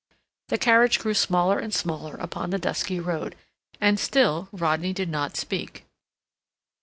The carriage grew smaller and smaller upon the dusky road, and still Rodney did not speak.